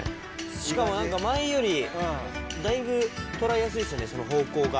しかも何か前よりだいぶ捉えやすいですね方向が。